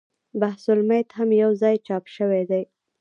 بحث المیت هم یو ځای چاپ شوی دی.